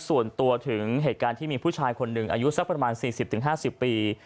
ส่วนตัวถึงเหตุการณ์ที่มีผู้ชายคนหนึ่งอายุสักประมาณ๔๐๕๐ปี